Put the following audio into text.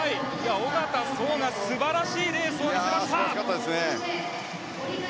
小方颯が素晴らしいレースを見せました。